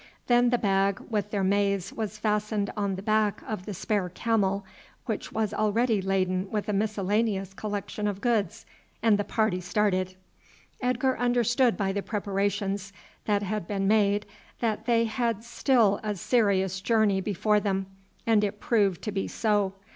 Then the bag with their maize was fastened on the back of the spare camel, which was already laden with a miscellaneous collection of goods, and the party started. Edgar understood by the preparations that had been made that they had still a serious journey before them, and it proved to be so.